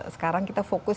sekarang kita fokus